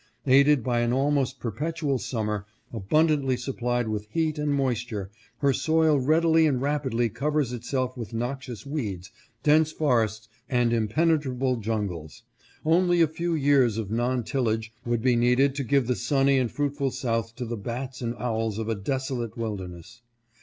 Aided by an almost perpetual summer, abundant ly supplied with heat and moisture, her soil readily and rapidly covers itself with noxious weeds, dense forests, and impenetrable jungles. Only a few years of non tillage would be needed to give the sunny and fruitful South to the bats and owls of a desolate wilderness.